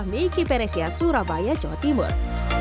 miki peresia surabaya jawa timur